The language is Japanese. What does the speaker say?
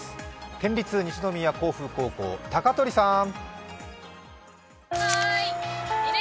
県立西宮香風高校、鷹取さん。